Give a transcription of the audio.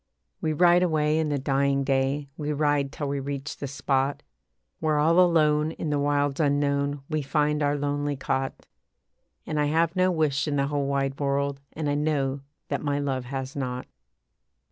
We ride away in the dying day, We ride till we reach the spot Where all alone in the wilds unknown We find our lonely cot. And I have no wish in the whole wide world, And I know that my love has not.